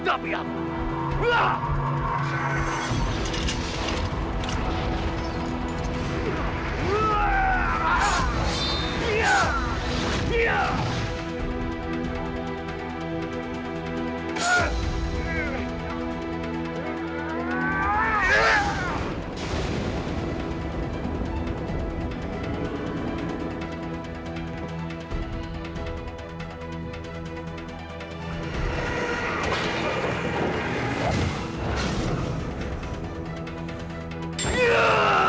kau pun sama